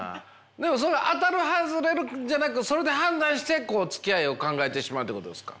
でも当たる外れるじゃなくそれで判断してつきあいを考えてしまうっていうことですか。